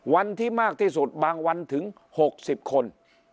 วันที่มากที่สุดบางวันถึง๖๐คน